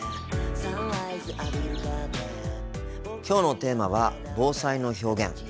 今日のテーマは防災の表現。